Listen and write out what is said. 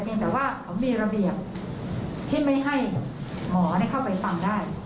เพียงแต่ว่ามีระเบียบที่ไม่ให้หมอได้เข้าไปฟังได้